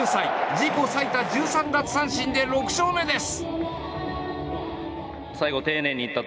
自己最多１３奪三振で６勝目です！